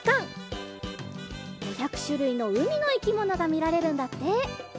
５００しゅるいのうみのいきものがみられるんだって。